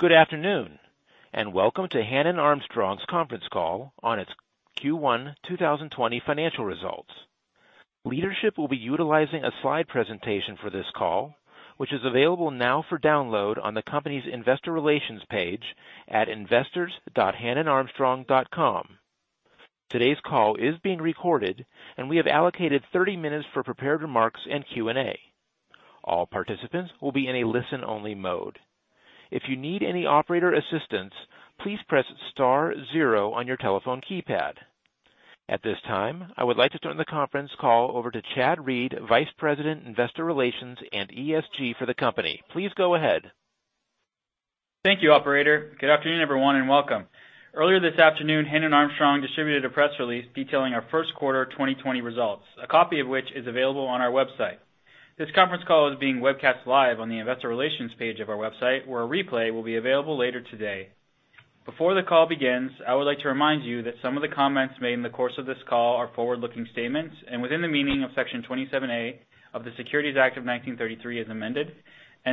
Good afternoon, welcome to Hannon Armstrong's conference call on its Q1 2020 financial results. Leadership will be utilizing a slide presentation for this call, which is available now for download on the company's investor relations page at investors.hannonarmstrong.com. Today's call is being recorded, and we have allocated 30 minutes for prepared remarks and Q&A. All participants will be in a listen-only mode. If you need any operator assistance, please press star zero on your telephone keypad. At this time, I would like to turn the conference call over to Chad Reed, Vice President, Investor Relations, and ESG for the company. Please go ahead. Thank you, operator. Good afternoon, everyone, welcome. Earlier this afternoon, Hannon Armstrong distributed a press release detailing our first quarter 2020 results, a copy of which is available on our website. This conference call is being webcast live on the investor relations page of our website, where a replay will be available later today. Before the call begins, I would like to remind you that some of the comments made in the course of this call are forward-looking statements and within the meaning of Section 27A of the Securities Act of 1933 as amended,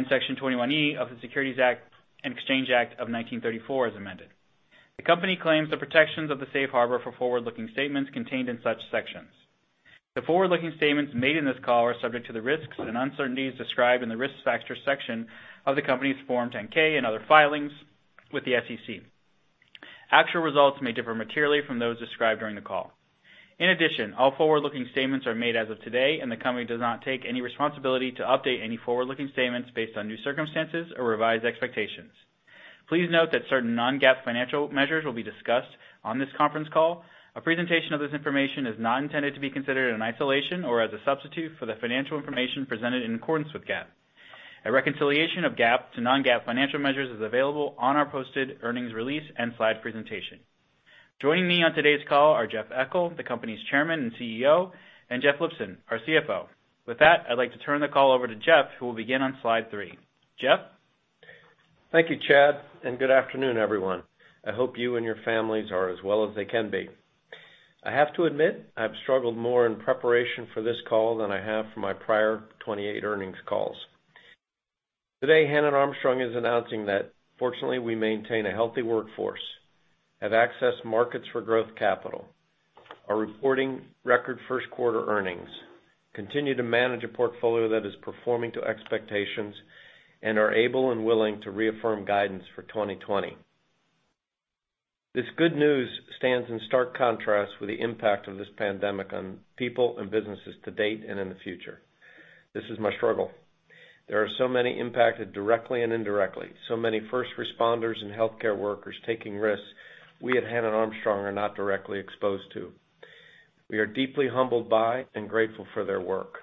Section 21E of the Securities Exchange Act of 1934 as amended. The company claims the protections of the safe harbor for forward-looking statements contained in such sections. The forward-looking statements made in this call are subject to the risks and uncertainties described in the Risk Factors section of the company's Form 10-K and other filings with the SEC. Actual results may differ materially from those described during the call. In addition, all forward-looking statements are made as of today, and the company does not take any responsibility to update any forward-looking statements based on new circumstances or revised expectations. Please note that certain non-GAAP financial measures will be discussed on this conference call. A presentation of this information is not intended to be considered in isolation or as a substitute for the financial information presented in accordance with GAAP. A reconciliation of GAAP to non-GAAP financial measures is available on our posted earnings release and slide presentation. Joining me on today's call are Jeff Eckel, the company's Chairman and CEO, and Jeff Lipson, our CFO. With that, I'd like to turn the call over to Jeff, who will begin on slide three. Jeff? Thank you, Chad, and good afternoon, everyone. I hope you and your families are as well as they can be. I have to admit, I've struggled more in preparation for this call than I have for my prior 28 earnings calls. Today, Hannon Armstrong is announcing that fortunately, we maintain a healthy workforce, have accessed markets for growth capital, are reporting record first-quarter earnings, continue to manage a portfolio that is performing to expectations, and are able and willing to reaffirm guidance for 2020. This good news stands in stark contrast with the impact of this pandemic on people and businesses to date and in the future. This is my struggle. There are so many impacted directly and indirectly, so many first responders and healthcare workers taking risks we at Hannon Armstrong are not directly exposed to. We are deeply humbled by and grateful for their work.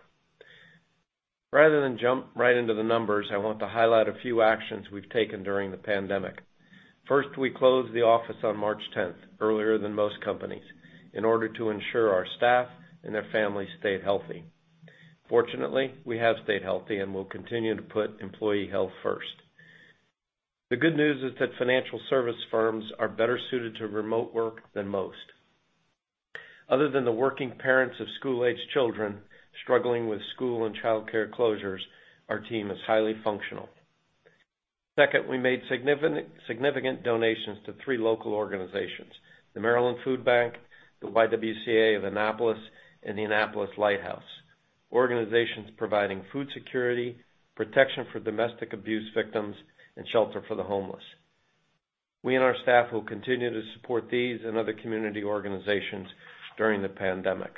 Rather than jump right into the numbers, I want to highlight a few actions we've taken during the pandemic. First, we closed the office on March 10th, earlier than most companies, in order to ensure our staff and their families stayed healthy. Fortunately, we have stayed healthy and will continue to put employee health first. The good news is that financial service firms are better suited to remote work than most. Other than the working parents of school-aged children struggling with school and childcare closures, our team is highly functional. Second, we made significant donations to three local organizations, the Maryland Food Bank, the YWCA of Annapolis, and The Light House, organizations providing food security, protection for domestic abuse victims, and shelter for the homeless. We and our staff will continue to support these and other community organizations during the pandemic.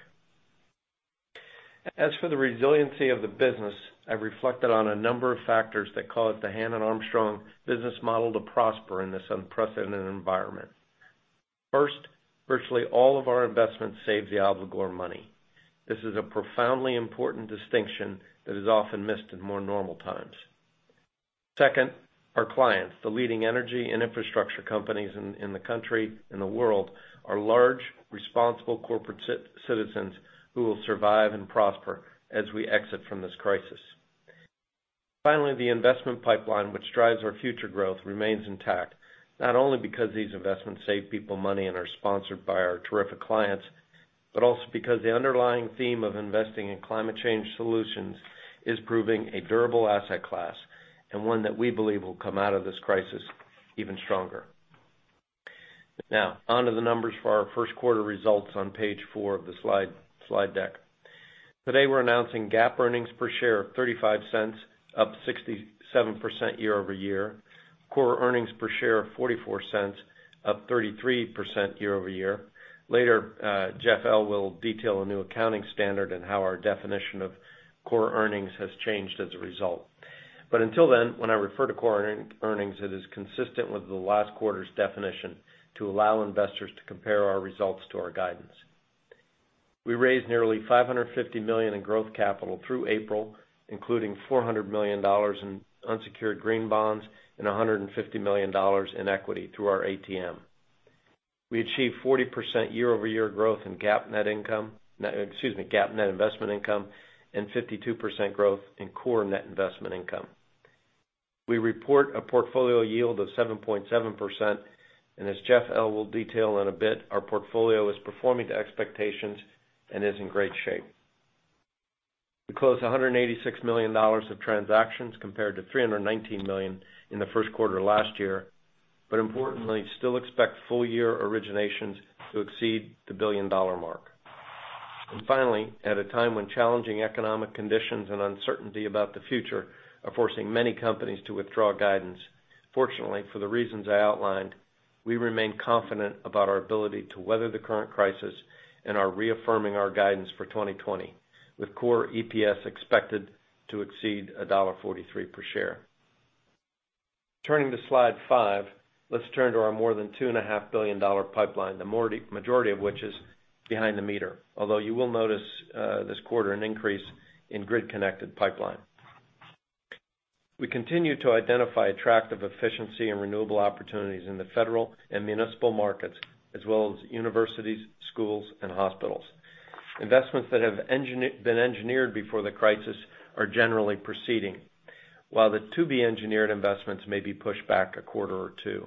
As for the resiliency of the business, I've reflected on a number of factors that cause the Hannon Armstrong business model to prosper in this unprecedented environment. First, virtually all of our investments save the obligor money. This is a profoundly important distinction that is often missed in more normal times. Second, our clients, the leading energy and infrastructure companies in the country and the world, are large, responsible corporate citizens who will survive and prosper as we exit from this crisis. Finally, the investment pipeline, which drives our future growth, remains intact, not only because these investments save people money and are sponsored by our terrific clients, but also because the underlying theme of investing in climate change solutions is proving a durable asset class and one that we believe will come out of this crisis even stronger. Now, on to the numbers for our first quarter results on page four of the slide deck. Today, we're announcing GAAP earnings per share of $0.35, up 67% year-over-year, core earnings per share of $0.44, up 33% year-over-year. Later, Jeff L. will detail a new accounting standard and how our definition of core earnings has changed as a result. Until then, when I refer to core earnings, it is consistent with the last quarter's definition to allow investors to compare our results to our guidance. We raised nearly $550 million in growth capital through April, including $400 million in unsecured green bonds and $150 million in equity through our ATM. We achieved 40% year-over-year growth in GAAP net investment income and 52% growth in core net investment income. We report a portfolio yield of 7.7%, and as Jeff L. will detail in a bit, our portfolio is performing to expectations and is in great shape. We closed $186 million of transactions compared to $319 million in the first quarter of last year, importantly, still expect full-year originations to exceed the billion-dollar mark. Finally, at a time when challenging economic conditions and uncertainty about the future are forcing many companies to withdraw guidance, fortunately, for the reasons I outlined, we remain confident about our ability to weather the current crisis and are reaffirming our guidance for 2020, with core EPS expected to exceed $1.43 per share. Turning to slide five, let's turn to our more than $2.5 billion pipeline, the majority of which is behind the meter. Although you will notice this quarter an increase in grid-connected pipeline. We continue to identify attractive efficiency and renewable opportunities in the federal and municipal markets as well as universities, schools, and hospitals. Investments that have been engineered before the crisis are generally proceeding, while the to-be-engineered investments may be pushed back a quarter or two.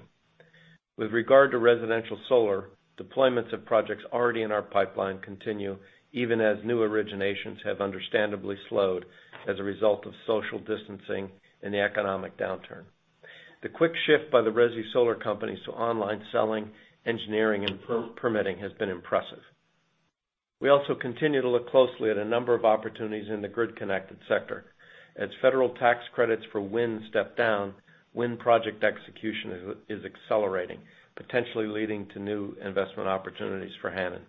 With regard to residential solar, deployments of projects already in our pipeline continue even as new originations have understandably slowed as a result of social distancing and the economic downturn. The quick shift by the resi solar companies to online selling, engineering, and permitting has been impressive. We also continue to look closely at a number of opportunities in the grid-connected sector. As federal tax credits for wind step down, wind project execution is accelerating, potentially leading to new investment opportunities for Hannon.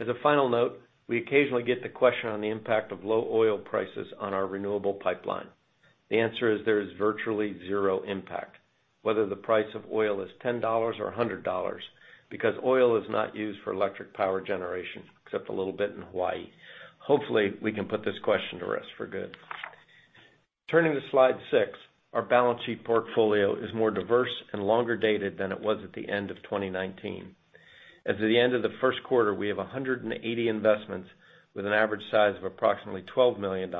As a final note, we occasionally get the question on the impact of low oil prices on our renewable pipeline. The answer is there is virtually zero impact, whether the price of oil is $10 or $100, because oil is not used for electric power generation, except a little bit in Hawaii. Hopefully, we can put this question to rest for good. Turning to slide six, our balance sheet portfolio is more diverse and longer dated than it was at the end of 2019. As of the end of the first quarter, we have 180 investments with an average size of approximately $12 million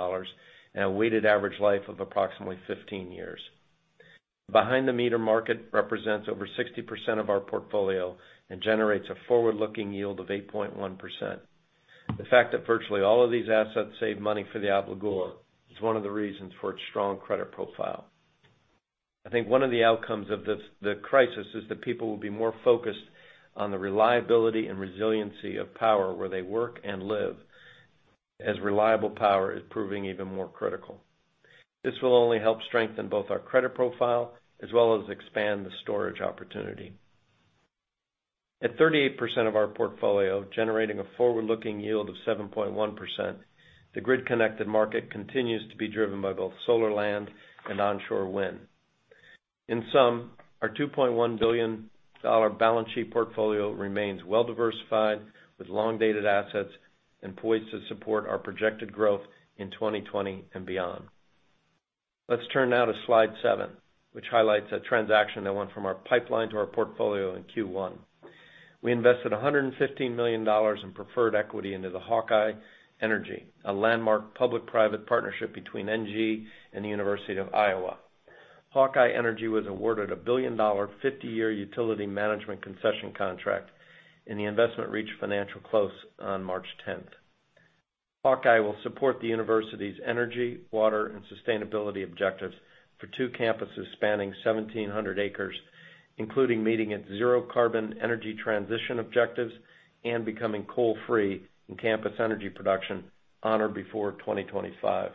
and a weighted average life of approximately 15 years. Behind-the-meter market represents over 60% of our portfolio and generates a forward-looking yield of 8.1%. The fact that virtually all of these assets save money for the obligor is one of the reasons for its strong credit profile. I think one of the outcomes of the crisis is that people will be more focused on the reliability and resiliency of power where they work and live, as reliable power is proving even more critical. This will only help strengthen both our credit profile as well as expand the storage opportunity. At 38% of our portfolio, generating a forward-looking yield of 7.1%, the grid-connected market continues to be driven by both solar land and onshore wind. In sum, our $2.1 billion balance sheet portfolio remains well-diversified with long-dated assets and poised to support our projected growth in 2020 and beyond. Let's turn now to slide seven, which highlights a transaction that went from our pipeline to our portfolio in Q1. We invested $115 million in preferred equity into the Hawkeye Energy, a landmark public-private partnership between ENGIE and the University of Iowa. Hawkeye Energy was awarded a billion-dollar, 50-year utility management concession contract, and the investment reached financial close on March 10th. Hawkeye will support the university's energy, water, and sustainability objectives for two campuses spanning 1,700 acres, including meeting its zero carbon energy transition objectives and becoming coal-free in campus energy production on or before 2025.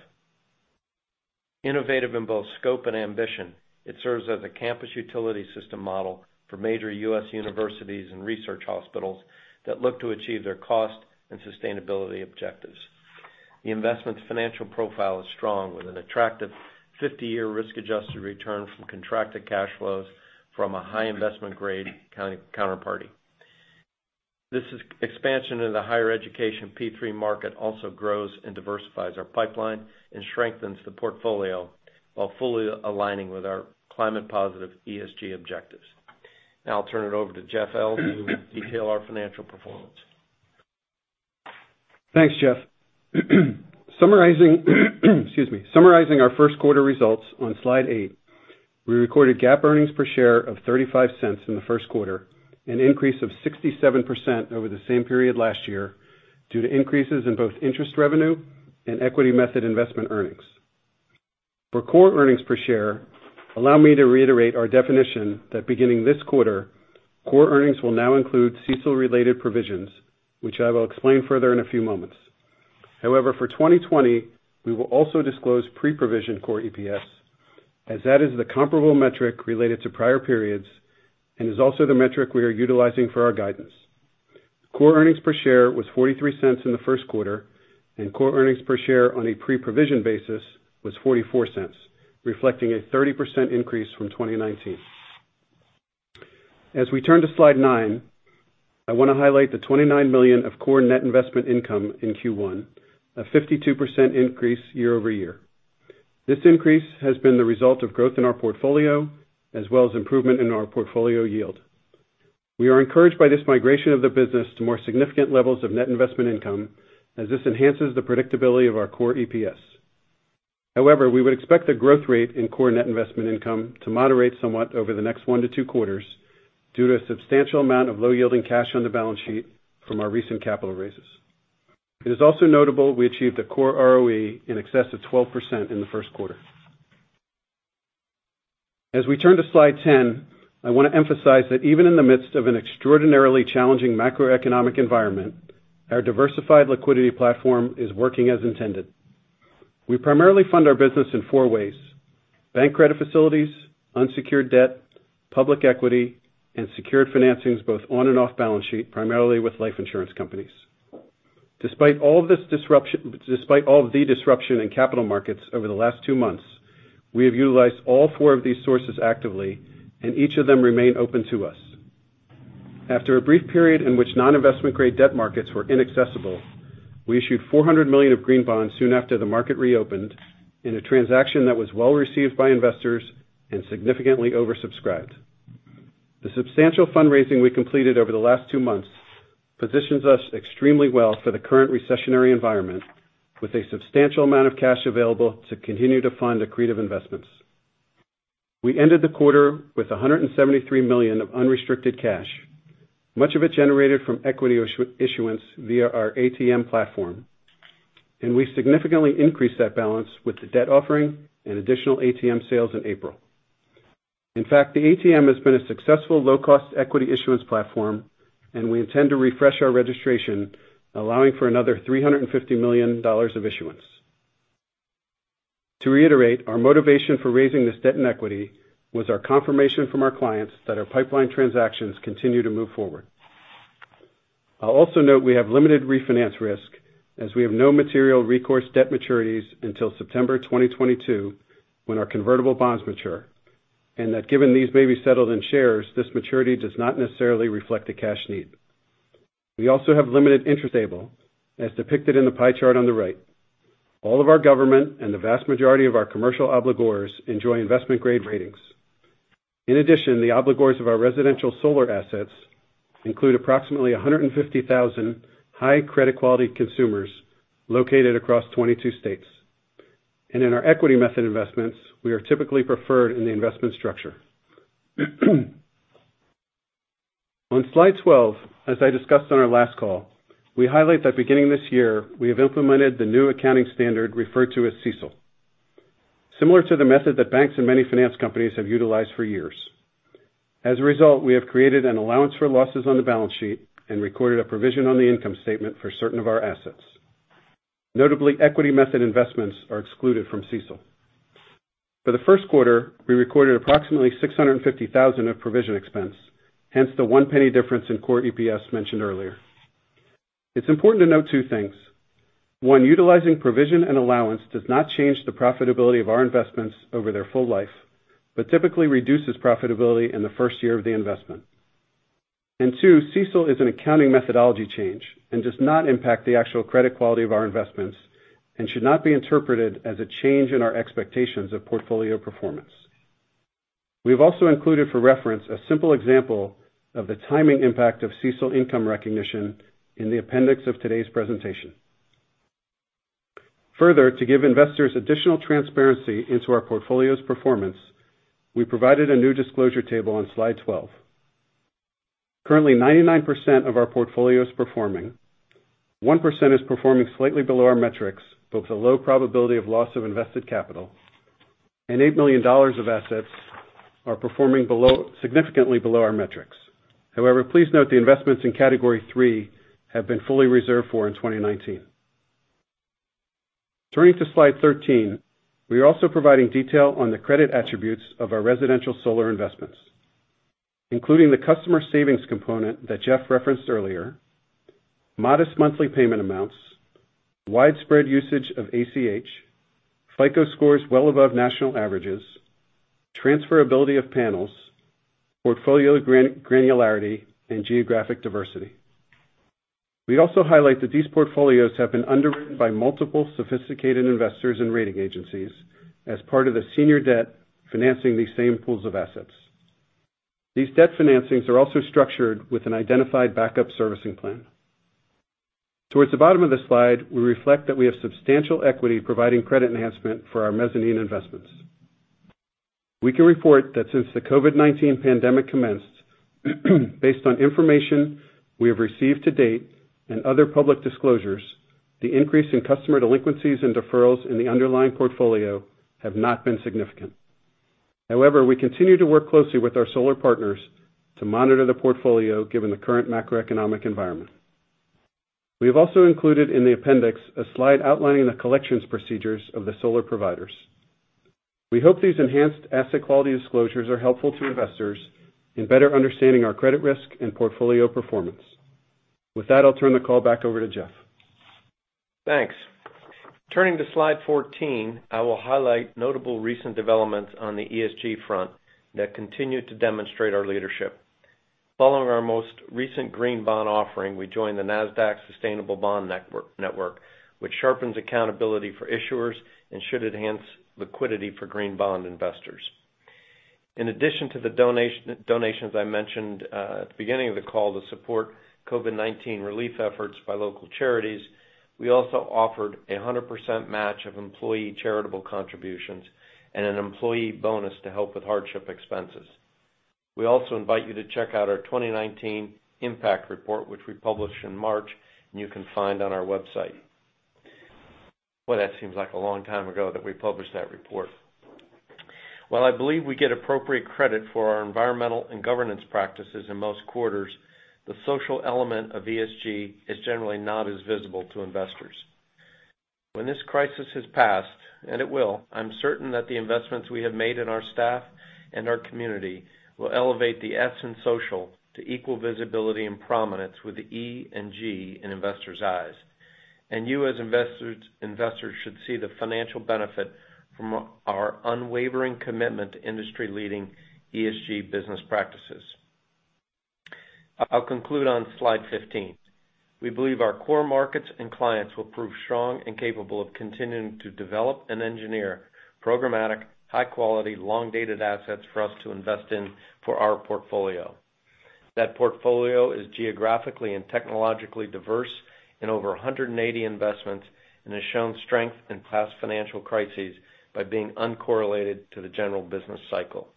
Innovative in both scope and ambition, it serves as a campus utility system model for major U.S. universities and research hospitals that look to achieve their cost and sustainability objectives. The investment's financial profile is strong, with an attractive 50-year risk-adjusted return from contracted cash flows from a high investment grade counterparty. This expansion into the higher education P3 market also grows and diversifies our pipeline and strengthens the portfolio while fully aligning with our climate positive ESG objectives. I'll turn it over to Jeff L., who will detail our financial performance. Thanks, Jeff. Summarizing our first quarter results on Slide eight, we recorded GAAP earnings per share of $0.35 in the first quarter, an increase of 67% over the same period last year due to increases in both interest revenue and equity method investment earnings. For core earnings per share, allow me to reiterate our definition that beginning this quarter, core earnings will now include CECL-related provisions, which I will explain further in a few moments. However, for 2020, we will also disclose pre-provision core EPS, as that is the comparable metric related to prior periods and is also the metric we are utilizing for our guidance. Core earnings per share was $0.43 in the first quarter, and core earnings per share on a pre-provision basis was $0.44, reflecting a 30% increase from 2019. We turn to Slide nine, I want to highlight the $29 million of core net investment income in Q1, a 52% increase year-over-year. This increase has been the result of growth in our portfolio as well as improvement in our portfolio yield. We are encouraged by this migration of the business to more significant levels of net investment income, as this enhances the predictability of our core EPS. However, we would expect the growth rate in core net investment income to moderate somewhat over the next one to two quarters due to a substantial amount of low-yielding cash on the balance sheet from our recent capital raises. It is also notable we achieved a core ROE in excess of 12% in the first quarter. We turn to Slide 10, I want to emphasize that even in the midst of an extraordinarily challenging macroeconomic environment, our diversified liquidity platform is working as intended. We primarily fund our business in four ways: bank credit facilities, unsecured debt, public equity, and secured financings, both on and off balance sheet, primarily with life insurance companies. Despite all of the disruption in capital markets over the last two months, we have utilized all four of these sources actively, and each of them remain open to us. After a brief period in which non-investment grade debt markets were inaccessible, we issued $400 million of green bonds soon after the market reopened in a transaction that was well-received by investors and significantly oversubscribed. The substantial fundraising we completed over the last two months positions us extremely well for the current recessionary environment, with a substantial amount of cash available to continue to fund accretive investments. We ended the quarter with $173 million of unrestricted cash, much of it generated from equity issuance via our ATM platform. We significantly increased that balance with the debt offering and additional ATM sales in April. In fact, the ATM has been a successful low-cost equity issuance platform, and we intend to refresh our registration, allowing for another $350 million of issuance. To reiterate, our motivation for raising this debt and equity was our confirmation from our clients that our pipeline transactions continue to move forward. I'll also note we have limited refinance risk, as we have no material recourse debt maturities until September 2022, when our convertible bonds mature. Given these may be settled in shares, this maturity does not necessarily reflect a cash need. We also have limited interest able, as depicted in the pie chart on the right. All of our government and the vast majority of our commercial obligors enjoy investment-grade ratings. In addition, the obligors of our residential solar assets include approximately 150,000 high credit quality consumers located across 22 states. In our equity method investments, we are typically preferred in the investment structure. On slide 12, as I discussed on our last call, we highlight that beginning this year, we have implemented the new accounting standard referred to as CECL. Similar to the method that banks and many finance companies have utilized for years. As a result, we have created an allowance for losses on the balance sheet and recorded a provision on the income statement for certain of our assets. Notably, equity method investments are excluded from CECL. For the first quarter, we recorded approximately $650,000 of provision expense, hence the $0.01 difference in core EPS mentioned earlier. It's important to note two things. One, utilizing provision and allowance does not change the profitability of our investments over their full life, but typically reduces profitability in the first year of the investment. Two, CECL is an accounting methodology change and does not impact the actual credit quality of our investments and should not be interpreted as a change in our expectations of portfolio performance. We have also included for reference a simple example of the timing impact of CECL income recognition in the appendix of today's presentation. Further, to give investors additional transparency into our portfolio's performance, we provided a new disclosure table on slide 12. Currently, 99% of our portfolio is performing, 1% is performing slightly below our metrics, but with a low probability of loss of invested capital, and $8 million of assets are performing significantly below our metrics. However, please note the investments in category 3 have been fully reserved for in 2019. Turning to slide 13, we are also providing detail on the credit attributes of our residential solar investments, including the customer savings component that Jeff referenced earlier, modest monthly payment amounts, widespread usage of ACH, FICO scores well above national averages, transferability of panels, portfolio granularity, and geographic diversity. We'd also highlight that these portfolios have been underwritten by multiple sophisticated investors and rating agencies as part of the senior debt financing these same pools of assets. These debt financings are also structured with an identified backup servicing plan. Towards the bottom of the slide, we reflect that we have substantial equity providing credit enhancement for our mezzanine investments. We can report that since the COVID-19 pandemic commenced, based on information we have received to date and other public disclosures, the increase in customer delinquencies and deferrals in the underlying portfolio have not been significant. However, we continue to work closely with our solar partners to monitor the portfolio given the current macroeconomic environment. We have also included in the appendix a slide outlining the collections procedures of the solar providers. We hope these enhanced asset quality disclosures are helpful to investors in better understanding our credit risk and portfolio performance. With that, I'll turn the call back over to Jeff. Thanks. Turning to slide 14, I will highlight notable recent developments on the ESG front that continue to demonstrate our leadership. Following our most recent green bond offering, we joined the Nasdaq Sustainable Bond Network, which sharpens accountability for issuers and should enhance liquidity for green bond investors. In addition to the donations I mentioned at the beginning of the call to support COVID-19 relief efforts by local charities, we also offered a 100% match of employee charitable contributions and an employee bonus to help with hardship expenses. We also invite you to check out our 2019 impact report, which we published in March, and you can find on our website. Well, that seems like a long time ago that we published that report. While I believe we get appropriate credit for our environmental and governance practices in most quarters, the social element of ESG is generally not as visible to investors. When this crisis has passed, and it will, I'm certain that the investments we have made in our staff and our community will elevate the S in social to equal visibility and prominence with the E and G in investors' eyes. You, as investors, should see the financial benefit from our unwavering commitment to industry-leading ESG business practices. I'll conclude on slide 15. We believe our core markets and clients will prove strong and capable of continuing to develop and engineer programmatic, high quality, long-dated assets for us to invest in for our portfolio. That portfolio is geographically and technologically diverse in over 180 investments and has shown strength in past financial crises by being uncorrelated to the general business cycle.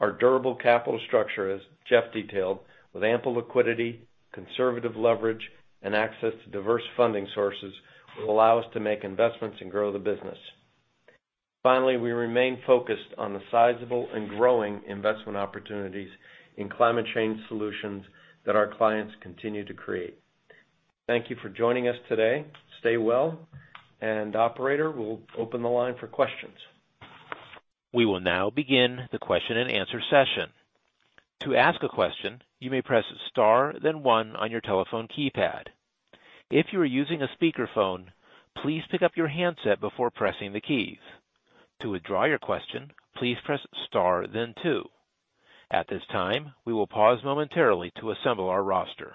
Our durable capital structure, as Jeff detailed, with ample liquidity, conservative leverage, and access to diverse funding sources, will allow us to make investments and grow the business. Finally, we remain focused on the sizable and growing investment opportunities in climate change solutions that our clients continue to create. Thank you for joining us today. Stay well. Operator, we'll open the line for questions. We will now begin the question and answer session. To ask a question, you may press star then one on your telephone keypad. If you are using a speakerphone, please pick up your handset before pressing the keys. To withdraw your question, please press star then two. At this time, we will pause momentarily to assemble our roster.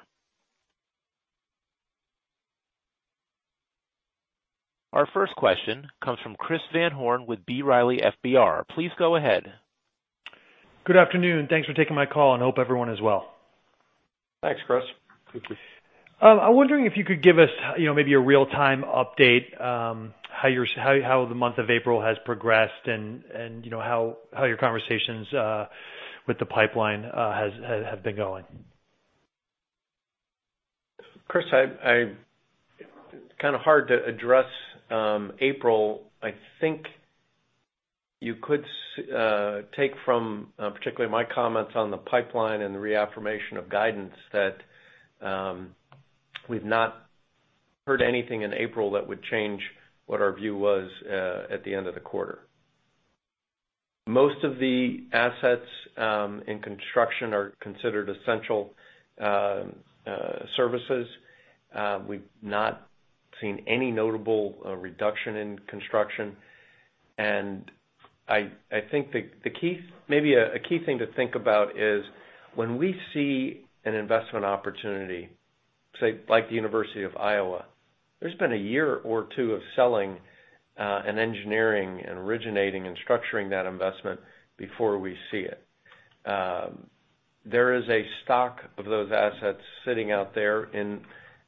Our first question comes from Chris Van Horn with B. Riley FBR. Please go ahead. Good afternoon. Thanks for taking my call. Hope everyone is well. Thanks, Chris. I'm wondering if you could give us maybe a real-time update, how the month of April has progressed. How your conversations with the pipeline have been going. Chris, kind of hard to address April. I think you could take from, particularly my comments on the pipeline and the reaffirmation of guidance, that we've not heard anything in April that would change what our view was at the end of the quarter. Most of the assets in construction are considered essential services. We've not seen any notable reduction in construction. I think maybe a key thing to think about is when we see an investment opportunity, say like the University of Iowa, there's been a year or two of selling and engineering and originating and structuring that investment before we see it. There is a stock of those assets sitting out there in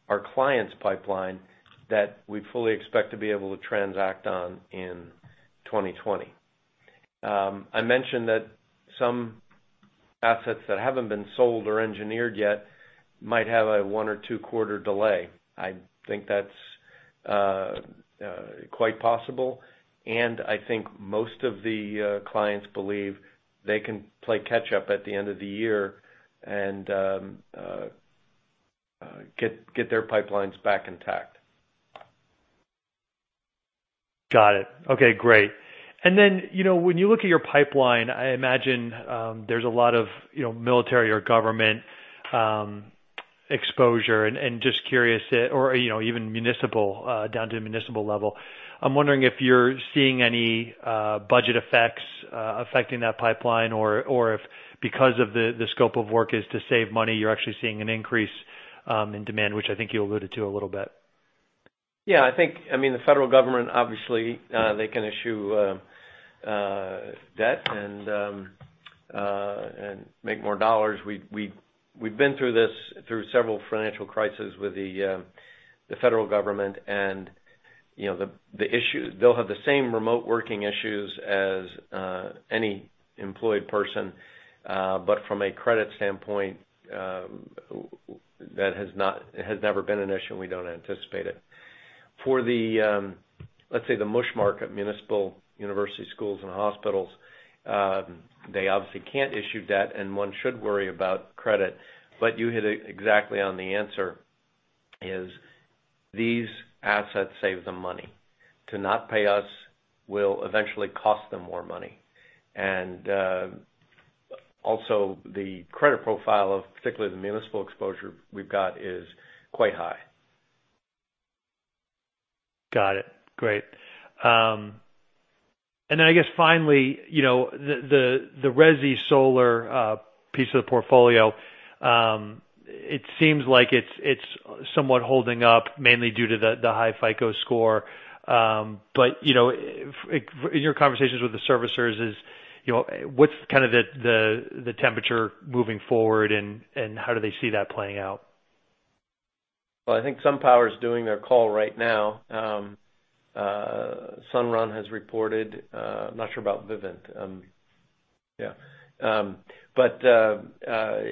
our clients' pipeline that we fully expect to be able to transact on in 2020. I mentioned that some assets that haven't been sold or engineered yet might have a one or two-quarter delay. I think that's quite possible. I think most of the clients believe they can play catch up at the end of the year and get their pipelines back intact. Got it. Okay, great. When you look at your pipeline, I imagine there's a lot of military or government exposure and just curious, or even municipal, down to a municipal level. I'm wondering if you're seeing any budget effects affecting that pipeline or if because of the scope of work is to save money, you're actually seeing an increase in demand, which I think you alluded to a little bit. Yeah. The federal government, obviously, they can issue debt and make more dollars. We've been through several financial crises with the federal government. They'll have the same remote working issues as any employed person. From a credit standpoint, that has never been an issue, and we don't anticipate it. For the, let's say, the MUSH market, municipal, university schools, and hospitals, they obviously can't issue debt. One should worry about credit. You hit it exactly on the answer, is these assets save them money. To not pay us will eventually cost them more money. Also, the credit profile of, particularly the municipal exposure we've got is quite high. Got it. Great. I guess finally, the resi solar piece of the portfolio. It seems like it's somewhat holding up, mainly due to the high FICO score. In your conversations with the servicers, what's the temperature moving forward, and how do they see that playing out? Well, I think SunPower is doing their call right now. Sunrun has reported. I'm not sure about Vivint.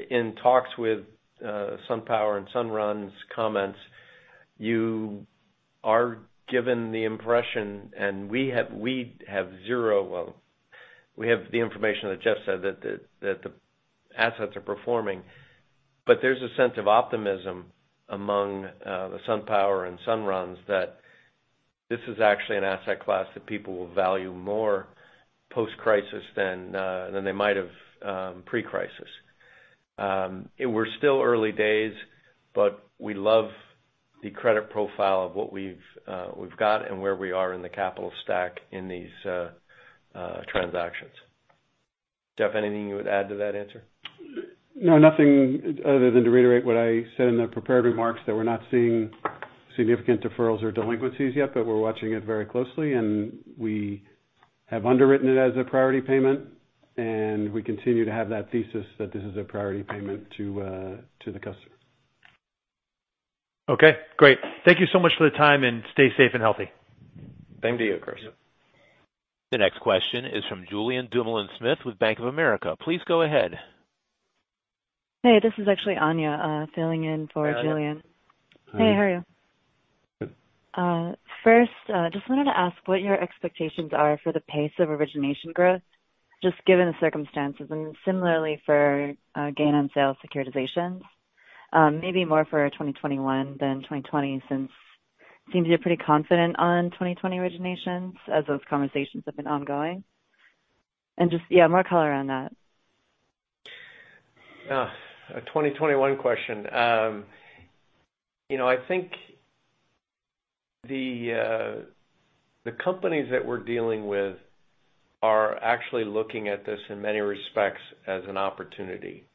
In talks with SunPower and Sunrun's comments, you are given the impression, and we have the information that Jeff said, that the assets are performing. There's a sense of optimism among the SunPower and Sunrun that this is actually an asset class that people will value more post-crisis than they might have pre-crisis. We're still early days, we love the credit profile of what we've got and where we are in the capital stack in these transactions. Jeff, anything you would add to that answer? No, nothing other than to reiterate what I said in the prepared remarks, that we're not seeing significant deferrals or delinquencies yet, we're watching it very closely, we have underwritten it as a priority payment, we continue to have that thesis, that this is a priority payment to the customer. Okay, great. Thank you so much for the time, stay safe and healthy. Same to you, Carson. Yep. The next question is from Julien Dumoulin-Smith with Bank of America. Please go ahead. Hey, this is actually Anya filling in for Julien. Anya. Hey, how are you? Good. First, just wanted to ask what your expectations are for the pace of origination growth, just given the circumstances, and similarly for gain on sale securitizations. Maybe more for 2021 than 2020, since it seems you're pretty confident on 2020 originations as those conversations have been ongoing. Just, yeah, more color on that. A 2021 question. I think the companies that we're dealing with are actually looking at this in many respects as an opportunity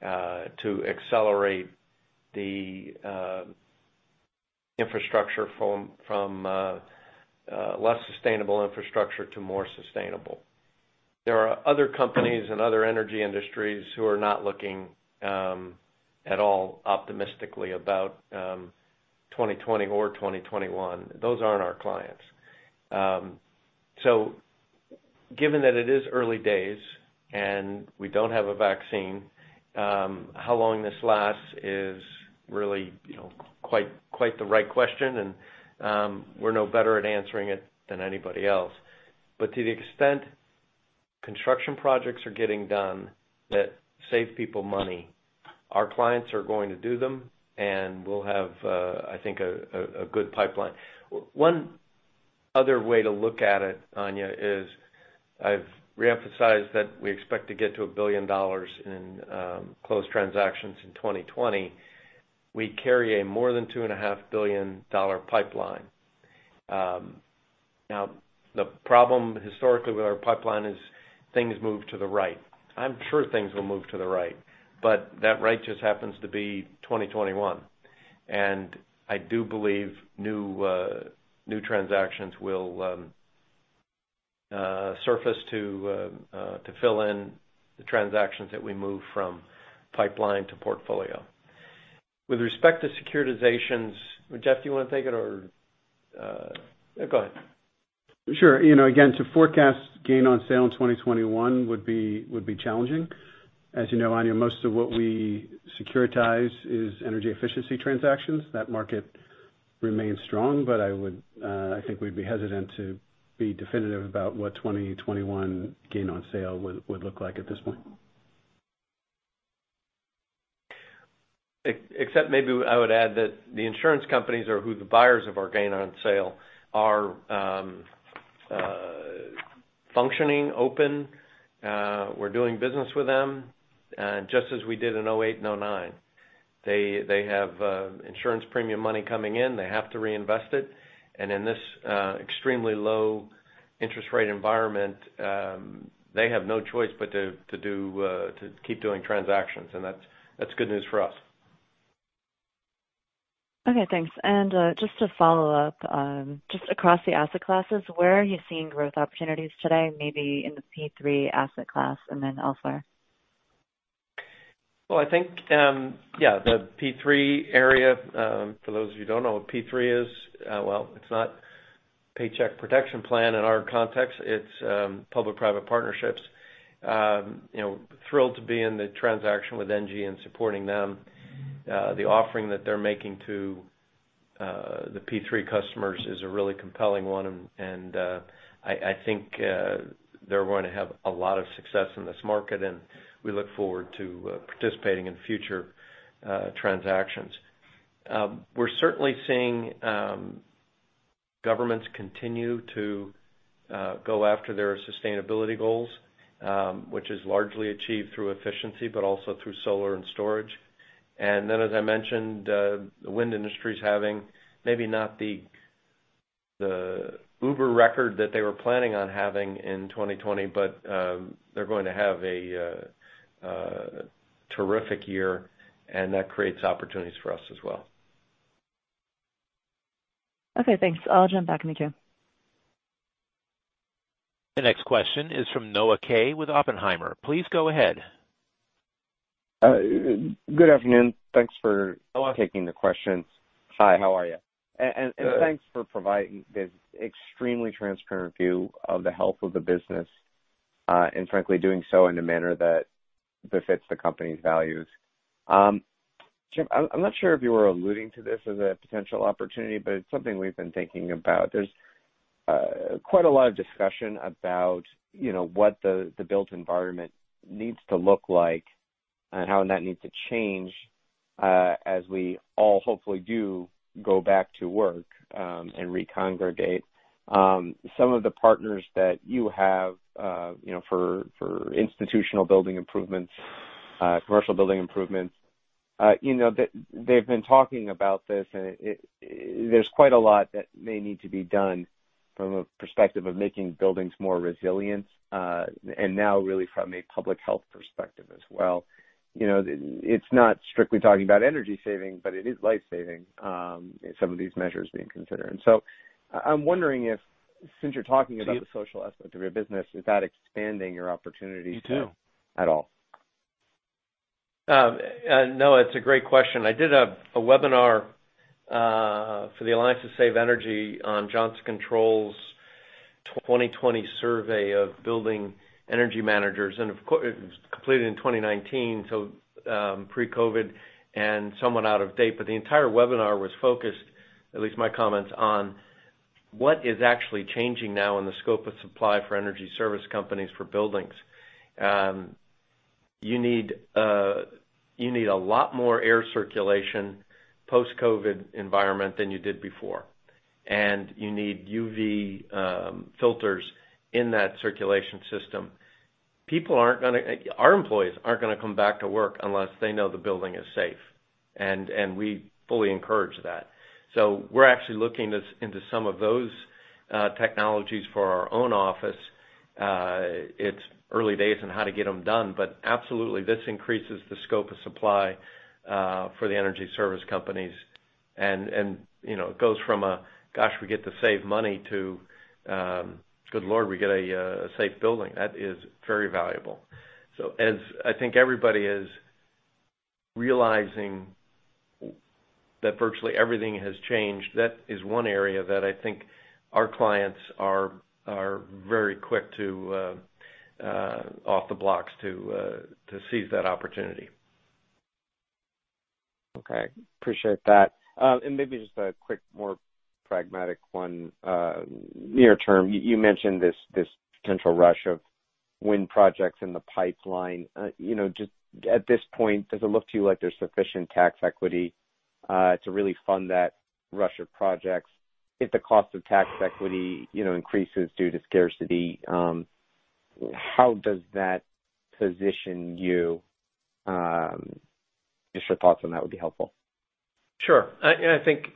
to accelerate the infrastructure from less sustainable infrastructure to more sustainable. There are other companies in other energy industries who are not looking at all optimistically about 2020 or 2021. Those aren't our clients. Given that it is early days and we don't have a vaccine, how long this lasts is really quite the right question, and we're no better at answering it than anybody else. To the extent construction projects are getting done that save people money, our clients are going to do them, and we'll have, I think, a good pipeline. One other way to look at it, Anya, is I've re-emphasized that we expect to get to $1 billion in closed transactions in 2020. We carry a more than $2.5 billion pipeline. Now, the problem historically with our pipeline is things move to the right. I'm sure things will move to the right, but that right just happens to be 2021. I do believe new transactions will surface to fill in the transactions that we move from pipeline to portfolio. With respect to securitizations, Jeff, do you want to take it or Go ahead. Sure. Again, to forecast gain on sale in 2021 would be challenging. As you know, Anya, most of what we securitize is energy efficiency transactions. That market remains strong, but I think we'd be hesitant to be definitive about what 2021 gain on sale would look like at this point. Except maybe I would add that the insurance companies, or who the buyers of our gain on sale are functioning, open. We're doing business with them. Just as we did in 2008 and 2009. They have insurance premium money coming in. They have to reinvest it. In this extremely low interest rate environment, they have no choice but to keep doing transactions, and that's good news for us. Okay, thanks. Just to follow up, just across the asset classes, where are you seeing growth opportunities today, maybe in the P3 asset class and then elsewhere? I think the P3 area. For those of you who don't know what P3 is, it's not Paycheck Protection Program in our context. It's public-private partnerships. Thrilled to be in the transaction with ENGIE and supporting them. The offering that they're making to the P3 customers is a really compelling one, and I think they're going to have a lot of success in this market, and we look forward to participating in future transactions. We're certainly seeing governments continue to go after their sustainability goals, which is largely achieved through efficiency but also through solar and storage. As I mentioned, the wind industry is having maybe not the uber record that they were planning on having in 2020, but they're going to have a terrific year, and that creates opportunities for us as well. Okay, thanks. I'll jump back in the queue. The next question is from Noah Kaye with Oppenheimer. Please go ahead. Good afternoon. Thanks for- Hello taking the questions. Hi, how are you? Thanks for providing this extremely transparent view of the health of the business, and frankly, doing so in a manner that befits the company's values. Jim, I'm not sure if you were alluding to this as a potential opportunity, but it's something we've been thinking about. There's quite a lot of discussion about what the built environment needs to look like and how that needs to change, as we all hopefully do go back to work, and recongregate. Some of the partners that you have for institutional building improvements, commercial building improvements, they've been talking about this, and there's quite a lot that may need to be done from a perspective of making buildings more resilient, and now really from a public health perspective as well. It's not strictly talking about energy-saving, but it is life-saving, some of these measures being considered. I'm wondering if, since you're talking about the social aspect of your business, is that expanding your opportunities at all? Noah, it's a great question. I did a webinar for the Alliance to Save Energy on Johnson Controls 2020 Survey of Building Energy Managers, and it was completed in 2019, pre-COVID, and somewhat out of date, but the entire webinar was focused, at least my comments, on what is actually changing now in the scope of supply for energy service companies for buildings. You need a lot more air circulation post-COVID environment than you did before. You need UV filters in that circulation system. Our employees aren't going to come back to work unless they know the building is safe, and we fully encourage that. We're actually looking into some of those technologies for our own office. It's early days on how to get them done. Absolutely, this increases the scope of supply for the energy service companies and it goes from a, "Gosh, we get to save money," to, "Good Lord, we get a safe building." That is very valuable. As I think everybody is realizing that virtually everything has changed, that is one area that I think our clients are very quick off the blocks to seize that opportunity. Okay. Appreciate that. Maybe just a quick, more pragmatic one, near term, you mentioned this potential rush of wind projects in the pipeline. At this point, does it look to you like there's sufficient tax equity to really fund that rush of projects? If the cost of tax equity increases due to scarcity, how does that position you? Just your thoughts on that would be helpful. Sure. I think,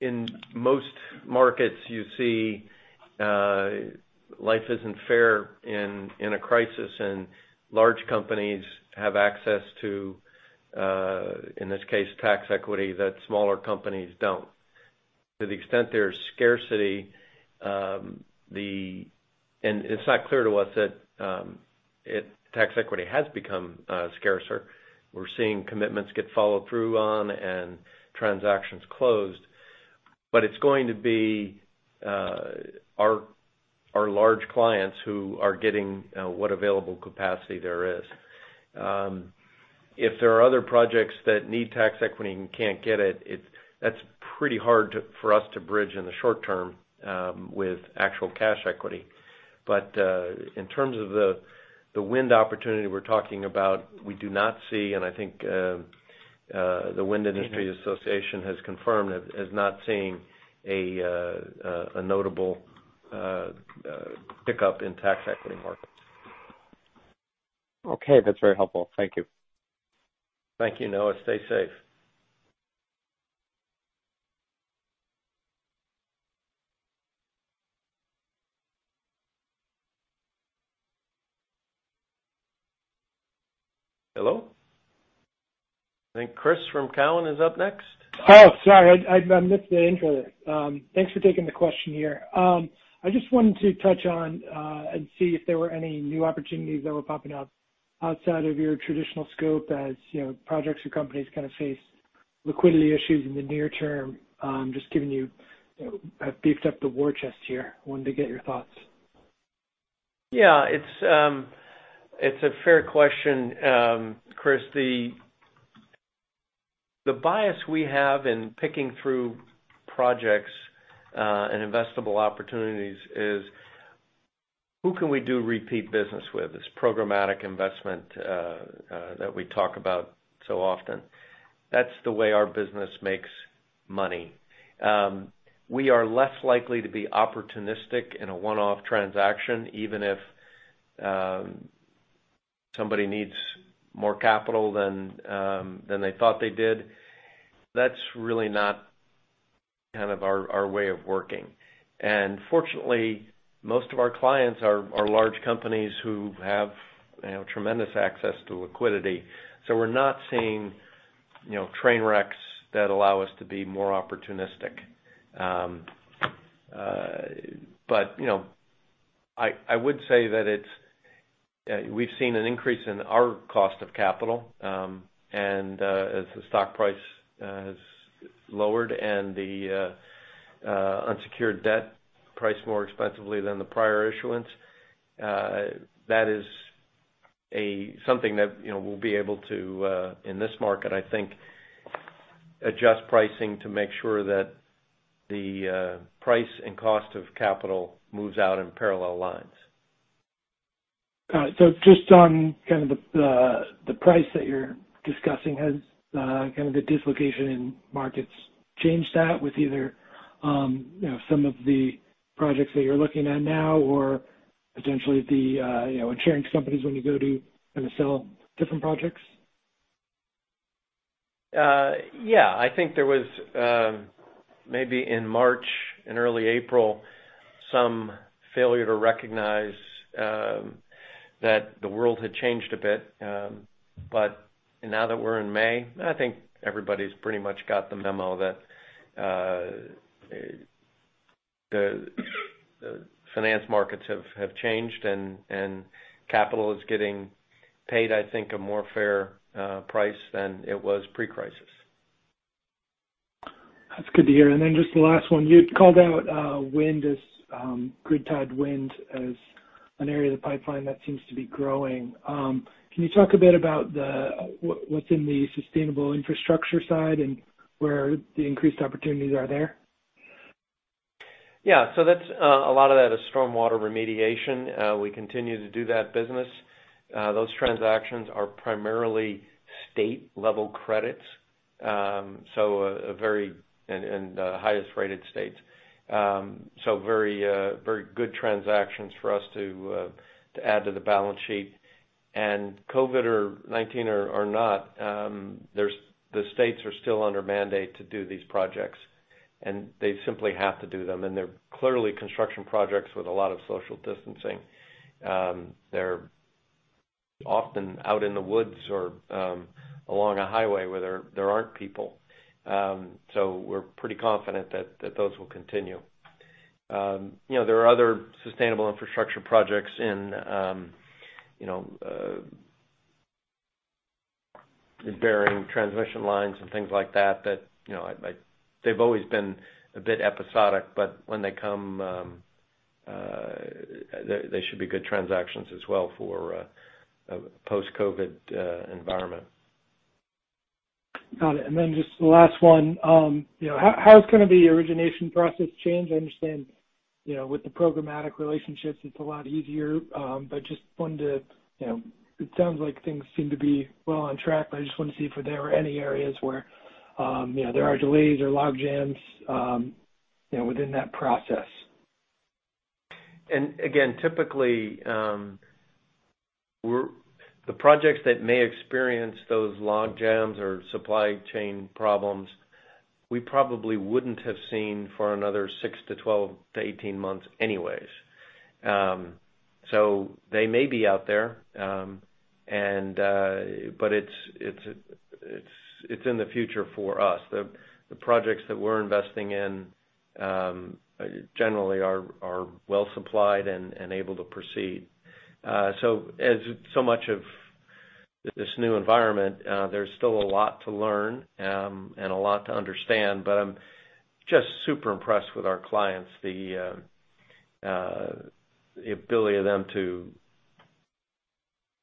in most markets you see life isn't fair in a crisis, large companies have access to, in this case, tax equity that smaller companies don't. To the extent there's scarcity, it's not clear to us that tax equity has become scarcer. We're seeing commitments get followed through on and transactions closed. It's going to be our large clients who are getting what available capacity there is. If there are other projects that need tax equity and can't get it, that's pretty hard for us to bridge in the short term with actual cash equity. In terms of the wind opportunity we're talking about, we do not see, and I think the Wind Industry Association has confirmed, is not seeing a notable pickup in tax equity markets. Okay. That's very helpful. Thank you. Thank you, Noah. Stay safe. Hello? I think Chris from Cowen is up next. Oh, sorry. I missed the intro there. Thanks for taking the question here. I just wanted to touch on and see if there were any new opportunities that were popping up outside of your traditional scope as projects or companies kind of face liquidity issues in the near term. Just giving you a beefed up the war chest here. Wanted to get your thoughts. Yeah. It's a fair question, Chris. The bias we have in picking through projects and investable opportunities is who can we do repeat business with? This programmatic investment that we talk about so often. That's the way our business makes money. We are less likely to be opportunistic in a one-off transaction, even if somebody needs more capital than they thought they did. That's really not our way of working. Fortunately, most of our clients are large companies who have tremendous access to liquidity. We're not seeing train wrecks that allow us to be more opportunistic. I would say that we've seen an increase in our cost of capital. As the stock price has lowered and the unsecured debt priced more expensively than the prior issuance, that is something that we'll be able to, in this market, I think, adjust pricing to make sure that the price and cost of capital moves out in parallel lines. Got it. Just on the price that you're discussing, has the dislocation in markets changed that with either some of the projects that you're looking at now or potentially the insurance companies when you go to sell different projects? Yeah. I think there was, maybe in March and early April, some failure to recognize that the world had changed a bit. Now that we're in May, I think everybody's pretty much got the memo that the finance markets have changed and capital is getting paid, I think, a more fair price than it was pre-crisis. That's good to hear. Then just the last one. You called out grid-tied wind as an area of the pipeline that seems to be growing. Can you talk a bit about what's in the sustainable infrastructure side and where the increased opportunities are there? Yeah. A lot of that is stormwater remediation. We continue to do that business. Those transactions are primarily state-level credits, in the highest-rated states. Very good transactions for us to add to the balance sheet. COVID-19 or not, the states are still under mandate to do these projects, and they simply have to do them. They're clearly construction projects with a lot of social distancing. They're often out in the woods or along a highway where there aren't people. We're pretty confident that those will continue. There are other sustainable infrastructure projects in burying transmission lines and things like that. They've always been a bit episodic, but when they come, they should be good transactions as well for a post-COVID environment. Got it. Then just the last one. How has the origination process changed? I understand with the programmatic relationships, it's a lot easier. It sounds like things seem to be well on track, I just wanted to see if there were any areas where there are delays or logjams within that process. Again, typically, the projects that may experience those logjams or supply chain problems, we probably wouldn't have seen for another six to 12 to 18 months anyways. They may be out there, but it's in the future for us. The projects that we're investing in generally are well supplied and able to proceed. As so much of this new environment, there's still a lot to learn and a lot to understand, but I'm just super impressed with our clients. The ability of them to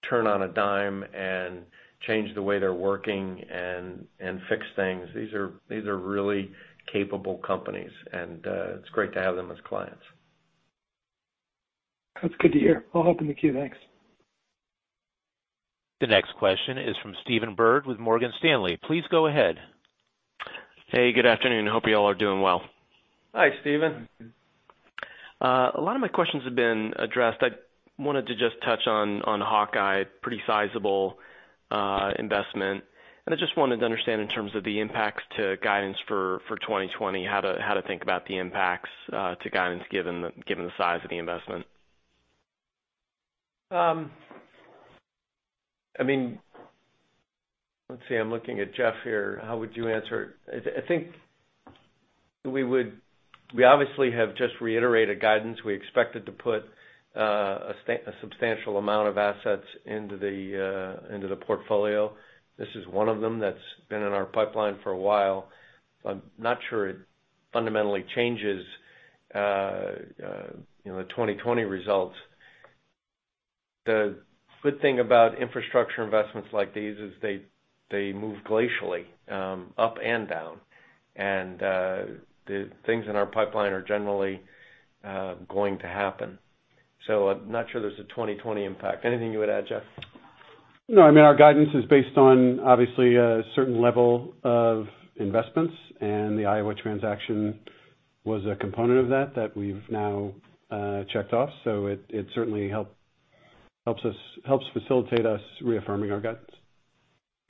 turn on a dime and change the way they're working and fix things. These are really capable companies, and it's great to have them as clients. That's good to hear. I'll hop in the queue. Thanks. The next question is from Stephen Byrd with Morgan Stanley. Please go ahead. Hey, good afternoon. Hope you all are doing well. Hi, Stephen. A lot of my questions have been addressed. I wanted to just touch on Hawkeye. Pretty sizable investment, and I just wanted to understand in terms of the impacts to guidance for 2020, how to think about the impacts to guidance given the size of the investment. Let's see. I'm looking at Jeff here. How would you answer? I think we obviously have just reiterated guidance. We expected to put a substantial amount of assets into the portfolio. This is one of them that's been in our pipeline for a while. I'm not sure it fundamentally changes the 2020 results. The good thing about infrastructure investments like these is they move glacially up and down. The things in our pipeline are generally going to happen. I'm not sure there's a 2020 impact. Anything you would add, Jeff? No. Our guidance is based on, obviously, a certain level of investments, and the Iowa transaction Was a component of that we've now checked off. It certainly helps facilitate us reaffirming our guidance.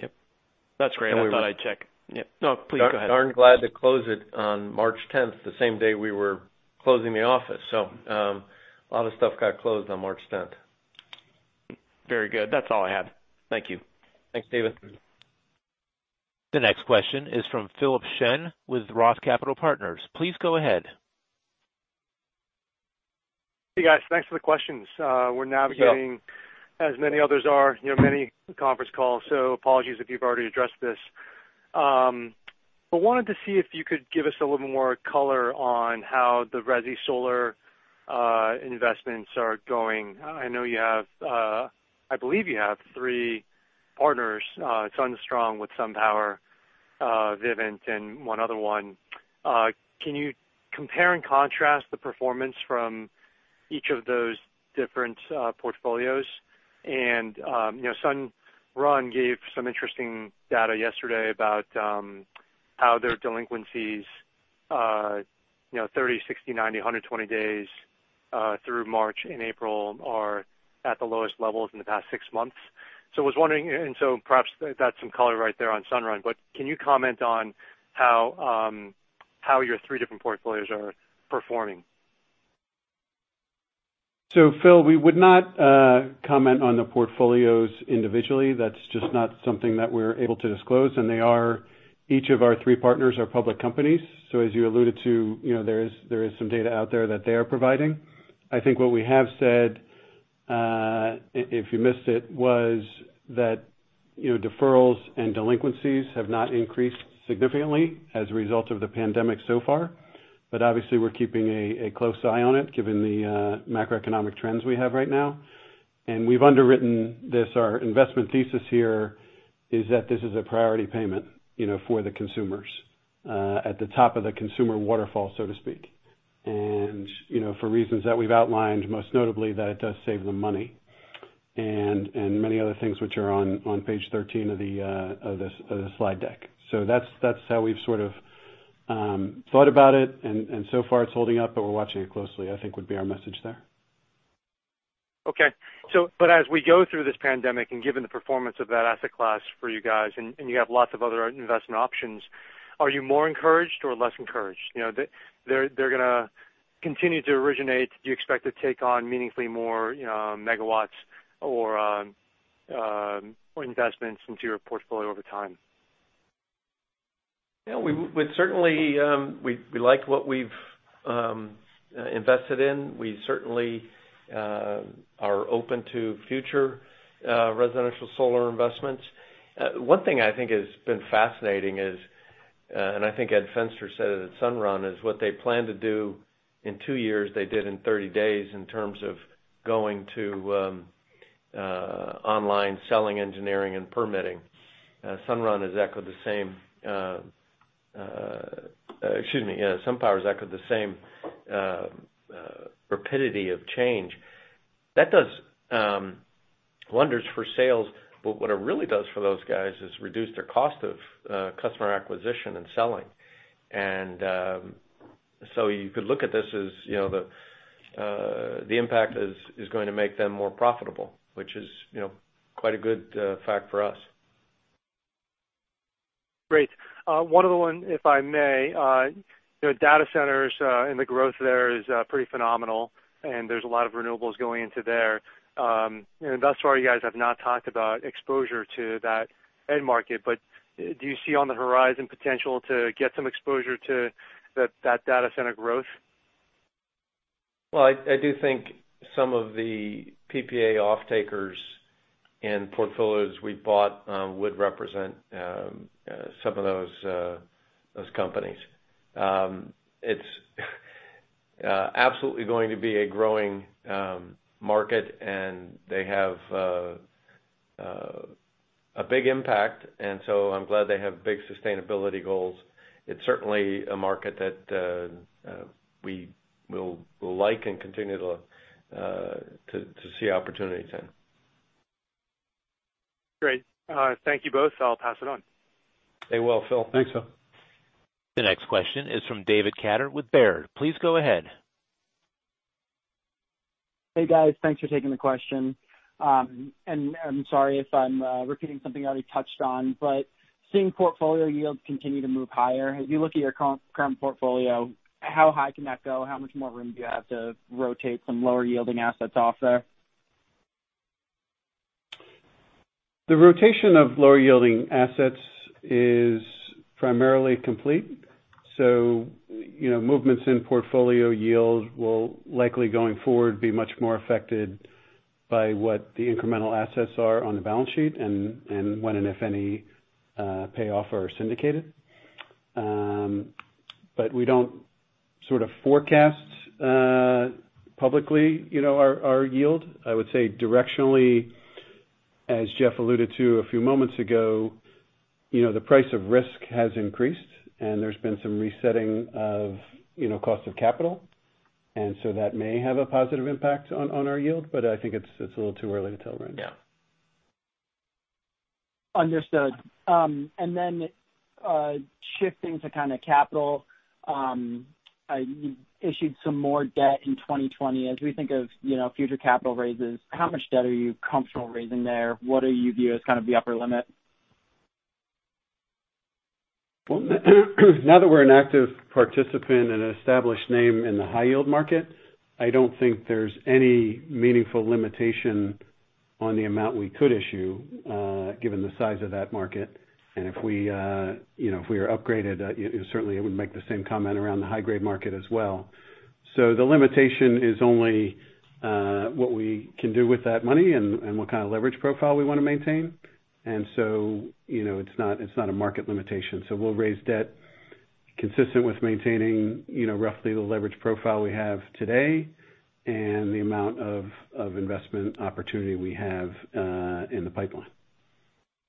Yep. That's great. I thought I'd check. Yep. No, please go ahead. Darn glad to close it on March 10th, the same day we were closing the office. A lot of stuff got closed on March 10th. Very good. That's all I had. Thank you. Thanks, David. The next question is from Philip Shen with Roth Capital Partners. Please go ahead. Hey, guys. Thanks for the questions. Yeah as many others are, many conference calls. Apologies if you've already addressed this. Wanted to see if you could give us a little more color on how the resi solar investments are going. I believe you have three partners, SunStrong with SunPower, Vivint, and one other one. Can you compare and contrast the performance from each of those different portfolios? Sunrun gave some interesting data yesterday about how their delinquencies, 30, 60, 90, 120 days through March and April are at the lowest levels in the past six months. Perhaps that's some color right there on Sunrun, but can you comment on how your three different portfolios are performing? Phil, we would not comment on the portfolios individually. That's just not something that we're able to disclose. Each of our three partners are public companies. As you alluded to, there is some data out there that they are providing. I think what we have said, if you missed it, was that deferrals and delinquencies have not increased significantly as a result of the pandemic so far. Obviously we're keeping a close eye on it given the macroeconomic trends we have right now. We've underwritten this. Our investment thesis here is that this is a priority payment for the consumers. At the top of the consumer waterfall, so to speak. For reasons that we've outlined, most notably that it does save them money, and many other things which are on page 13 of the slide deck. That's how we've sort of thought about it. So far it's holding up, but we're watching it closely, I think would be our message there. Okay. As we go through this pandemic, and given the performance of that asset class for you guys, and you have lots of other investment options, are you more encouraged or less encouraged? They're going to continue to originate. Do you expect to take on meaningfully more megawatts or investments into your portfolio over time? Yeah. We like what we've invested in. We certainly are open to future residential solar investments. One thing I think has been fascinating is, and I think Edward Fenster said it at Sunrun, is what they plan to do in two years, they did in 30 days in terms of going to online selling, engineering, and permitting. SunPower has echoed the same rapidity of change. That does wonders for sales, but what it really does for those guys is reduce their cost of customer acquisition and selling. You could look at this as the impact is going to make them more profitable, which is quite a good fact for us. Great. One other one, if I may. Data centers and the growth there is pretty phenomenal. There's a lot of renewables going into there. Thus far, you guys have not talked about exposure to that end market, do you see on the horizon potential to get some exposure to that data center growth? Well, I do think some of the PPA offtakers and portfolios we bought would represent some of those companies. It's absolutely going to be a growing market. They have a big impact, I'm glad they have big sustainability goals. It's certainly a market that we will like and continue to see opportunities in. Great. Thank you both. I'll pass it on. Stay well, Phil. Thanks, Philip. The next question is from David Koning with Baird. Please go ahead. Hey, guys. Thanks for taking the question. I'm sorry if I'm repeating something already touched on, seeing portfolio yields continue to move higher, as you look at your current portfolio, how high can that go? How much more room do you have to rotate some lower yielding assets off there? The rotation of lower yielding assets is primarily complete. Movements in portfolio yield will likely going forward be much more affected by what the incremental assets are on the balance sheet and when and if any pay off or are syndicated. We don't sort of forecast publicly our yield. I would say directionally, as Jeff Eckel alluded to a few moments ago, the price of risk has increased and there's been some resetting of cost of capital. That may have a positive impact on our yield, I think it's a little too early to tell right now. Yeah. Understood. Shifting to kind of capital. You issued some more debt in 2020. As we think of future capital raises, how much debt are you comfortable raising there? What do you view as kind of the upper limit? Well, now that we're an active participant and an established name in the high yield market, I don't think there's any meaningful limitation on the amount we could issue given the size of that market. If we are upgraded, certainly I would make the same comment around the high-grade market as well. The limitation is only what we can do with that money and what kind of leverage profile we want to maintain. It's not a market limitation. We'll raise debt consistent with maintaining roughly the leverage profile we have today and the amount of investment opportunity we have in the pipeline.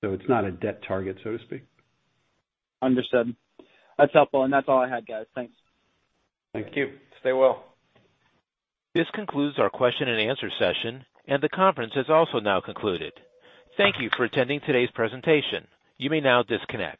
It's not a debt target, so to speak. Understood. That's helpful. That's all I had, guys. Thanks. Thank you. Stay well. This concludes our question and answer session. The conference has also now concluded. Thank you for attending today's presentation. You may now disconnect.